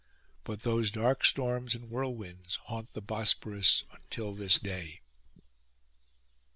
But those dark storms and whirlwinds haunt the Bosphorus until this day.